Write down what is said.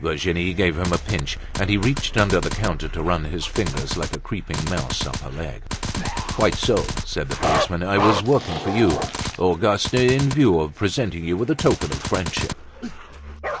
Virginie gave him a pinch and he reached under the counter to run his fingers like a creeping mouse up her leg. "Quite so," said the policeman. "I was working for you, Auguste, in view of presenting you with a token of friendship."